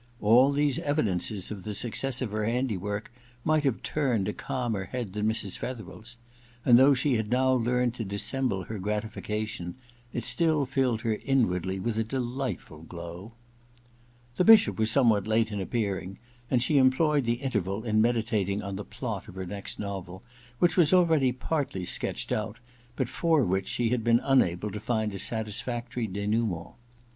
All these evidences of the success of her handiwork might have turned a calmer head than Mrs. Fetherel's ; and though she had now learned to dissemble her gratification, it still filled her inwardly with a delightful glow. The Bishop was somewhat late in appearing, and she employed the interval in meditating on the plot of^ her next novel, which was already partly sketched out, but for which she had been unable to find a satisfactory denouement.